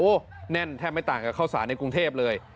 โอ้โหแน่นแทบไม่ต่างกับข้าวสารในกรุงเทพเลย